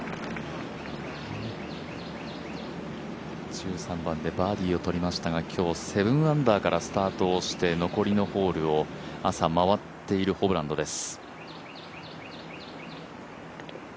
１３番でバーディーをとりましたが今日７アンダーでスタートをして残りのホールを朝回っているホブランドです。